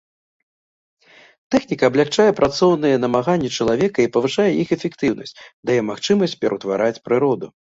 Тэхніка аблягчае працоўныя намаганні чалавека і павышае іх эфектыўнасць, дае магчымасць пераўтвараць прыроду.